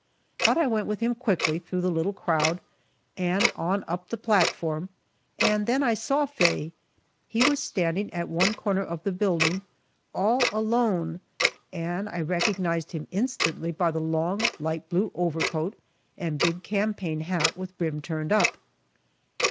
But I went with him quickly through the little crowd, and on up the platform, and then I saw Faye. He was standing at one corner of the building all alone, and I recognized him instantly by the long light blue overcoat and big campaign hat with brim turned up.